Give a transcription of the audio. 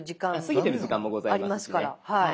過ぎてる時間もございますしね。